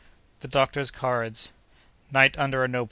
—The Doctor's Cards.—Night under a Nopal.